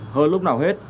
hơn lúc nào hết